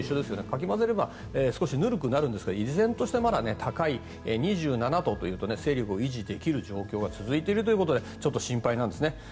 かき混ぜると少しぬるくなるんですが依然として少し高い２７度という勢力を維持できる状況が続いているということでちょっと心配なんですね。